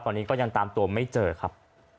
ตอนนี้ก็ยังตามตัวไม่เจอครับ